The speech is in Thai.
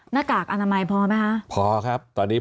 หน้ากากอนามัยพอไหมคะพอครับตอนนี้